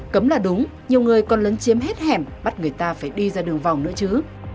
cấm là đúng nhiều người còn lấn chiếm hết hẻm bắt người ta phải đi ra đường vòng nữa chứ